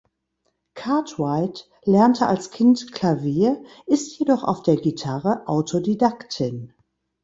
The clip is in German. Cartwright lernte als Kind Klavier, ist jedoch auf der Gitarre Autodidaktin.